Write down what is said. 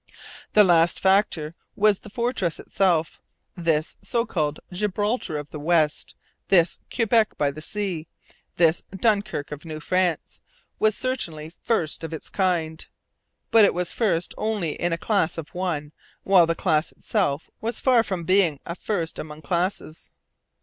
The last factor was the fortress itself. This so called 'Gibraltar of the West,' this 'Quebec by the sea,' this 'Dunkirk of New France,' was certainly first of its kind. But it was first only in a class of one; while the class itself was far from being a first among classes.